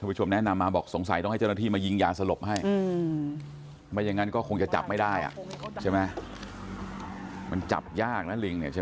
มันจับยากนะลิงเนี่ยใช่ไหมใช่ค่ะ